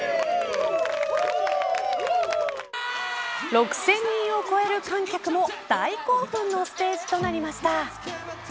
６０００人を超える観客も大興奮のステージとなりました。